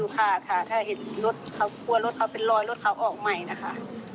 ขาดค่ะถ้าเห็นรถเขากลัวรถเขาเป็นรอยรถเขาออกใหม่นะคะ